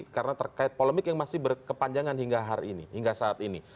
karena terkait polemik yang masih berkepanjangan hingga saat ini